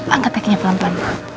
angkat tekinya pelan pelan